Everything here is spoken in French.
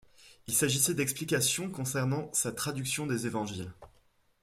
Il s'agissait d'explications concernant sa traduction des Évangiles.